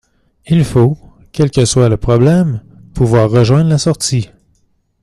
Il faut, quel que soit le problème, pouvoir rejoindre la sortie.